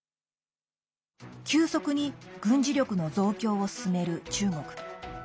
急速に軍事力の増強を進める中国。